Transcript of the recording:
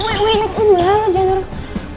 woi woi ini kebunan lo jangan taruh